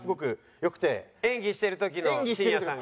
演技してる時の新谷さんが？